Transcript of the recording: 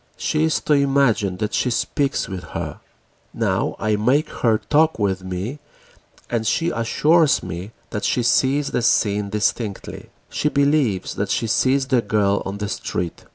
She is to imagine that she speaks with her. Now I make her talk with me and she assures me that she sees the scene distinctly. She believes she sees the girl on the street.